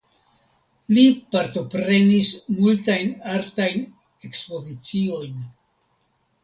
Li partoprenis multajn artajn ekspoziciojn.